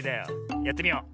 やってみよう。